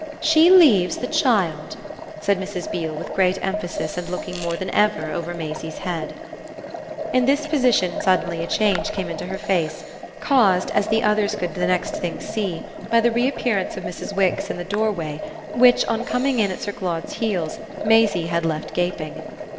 "She leaves the child," said Mrs. Beale with great emphasis and looking more than ever over Maisie's head. In this position suddenly a change came into her face, caused, as the others could the next thing see, by the reappearance of Mrs. Wix in the doorway which, on coming in at Sir Claude's heels, Maisie had left gaping.